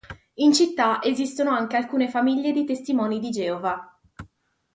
In città esistono anche alcune famiglie di Testimoni di Geova.